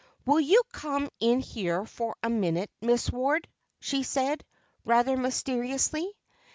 "Will you come in here for a minute, Miss Ward?" she said, rather mysteriously.